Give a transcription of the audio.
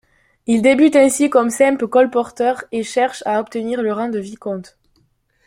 Il débute ainsi comme simple colporteur et cherche à obtenir le rang de Vicomte.